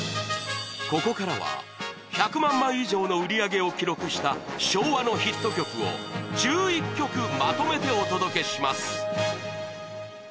ここからは１００万枚以上の売り上げを記録した昭和のヒット曲を１１曲まとめてお届けします。